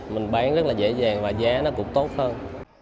mình bán rất là dễ dàng và giá nó cũng tốt hơn